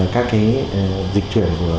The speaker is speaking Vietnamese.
các dịch chuyển của